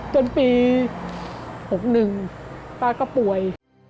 จนปี๖๑ป้าก็ป่วย